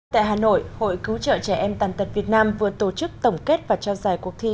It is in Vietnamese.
tại hà nội hội cứu trợ trẻ em tàn tật việt nam vừa tổ chức tổng kết và trao giải cuộc thi